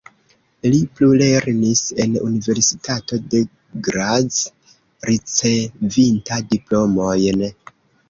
Li plulernis en universitato de Graz ricevinta diplomojn.